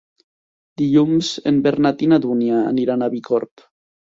Dilluns en Bernat i na Dúnia aniran a Bicorb.